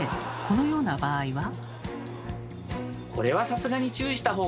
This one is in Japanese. このような場合は？